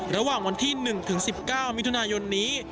ระหว่างวันที่๑ถึง๑๙มิถุนายนนี้